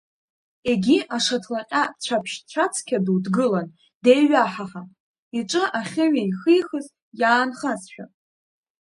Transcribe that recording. Егьи, ашаҭлаҟьа цәаԥшь-цәацқьа ду дгылан деиҩаҳаҳа, иҿы ахьыҩеихихыз иаанхазшәа.